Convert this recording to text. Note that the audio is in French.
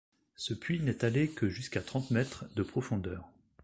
Ce puits n'est allé que jusqu'à trente mètres de profondeur.